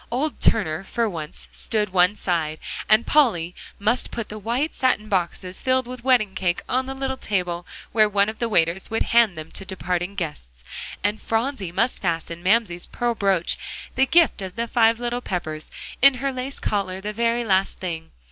Old Turner for once stood one side. And Polly must put the white satin boxes filled with wedding cake on the little table where one of the waiters would hand them to departing guests. And Phronsie must fasten Mamsie's pearl broach the gift of the five little Peppers in her lace collar the very last thing.